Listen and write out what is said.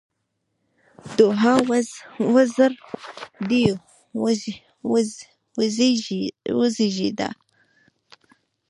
دوعا: وزر دې وزېږده!